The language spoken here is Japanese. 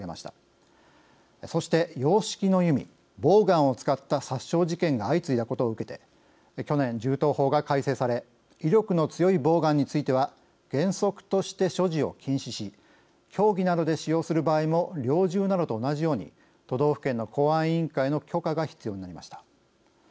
そして洋式の弓＝ボーガンを使った殺傷事件が相次いだことを受けて去年銃刀法が改正され威力の強いボーガンについては原則として所持を禁止し競技などで使用する場合も猟銃などと同じように都道府県の公安委員会の許可が必要になりました。